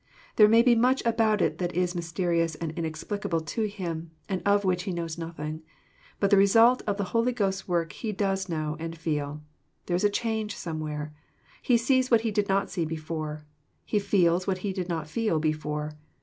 There may be much about it that is mysterious and inexplicable to him, and of which he knows nothing. But the result of the Holy Ghost's work he does know and feel. There is a change somewhere. He sees what he did not see before. He feels what he did not feel before.